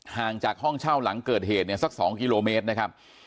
ห่างจากห้องเช่าหลังเกิดเหตุเนี่ยสัก๒กิโลเมตรนะครับ